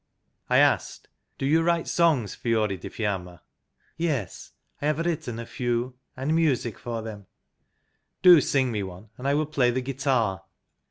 I asked :" Do you write songs, Fiore di Fiamma ?"" Yes, I have written a few, and music for them." " Do sing me one, and I will play the guitar."